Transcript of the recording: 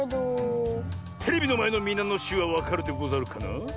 テレビのまえのみなのしゅうはわかるでござるかな？